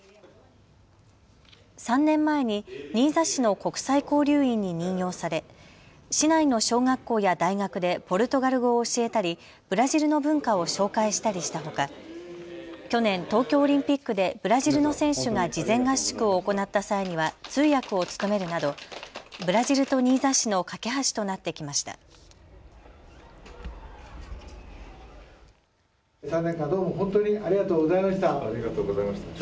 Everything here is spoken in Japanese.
３年前に新座市の国際交流員に任用され市内の小学校や大学でポルトガル語を教えたりブラジルの文化を紹介したりしたほか、去年、東京オリンピックでブラジルの選手が事前合宿を行った際には通訳を務めるなどブラジルと新座市の懸け橋となってきました。